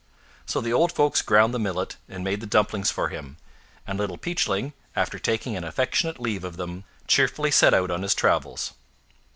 So the old folks ground the millet and made the dumplings for him; and Little Peachling, after taking an affectionate leave of them, cheerfully set out on his travels.